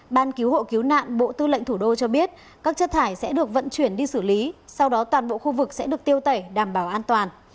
ban cứu hộ cứu nạn bộ tư lệnh thủ đô cho biết các chất thải sẽ được vận chuyển đi xử lý sau đó toàn bộ khu vực sẽ được tiêu tẩy đảm bảo an toàn